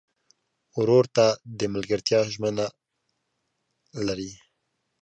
ورور ته د ملګرتیا ژمنه لرې.